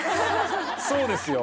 そうですよ。